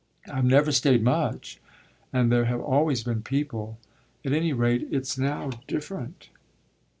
"I've never stayed much, and there have always been people. At any rate it's now different."